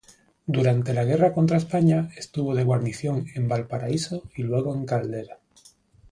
Durante la guerra contra España estuvo de guarnición en Valparaíso y luego en Caldera.